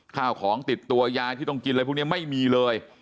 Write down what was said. ข้าวของติดตัวยาที่ต้องกินอะไรพวกนี้ไม่มีเลย